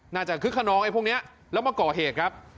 คึกขนองไอ้พวกนี้แล้วมาก่อเหตุครับ